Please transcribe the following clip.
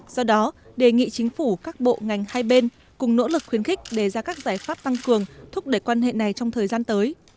do đó đề nghị chính phủ các bộ ngành hai bên cùng nỗ lực khuyến khích để ra các giải pháp tăng cường thúc đẩy quan hệ này trong thời gian tới